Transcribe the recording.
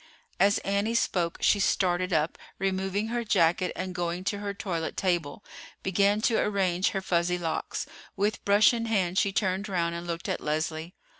As Annie spoke she started up, removing her jacket, and, going to her toilet table, began to arrange her fuzzy locks. With brush in hand she turned round and looked at Leslie.